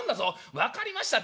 「分かりました旦